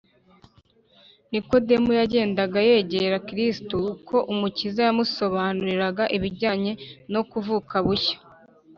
Nikodemo yagendaga yegera Kristo. Uko Umukiza yamusobanuriraga ibijyanye no kuvuka bushya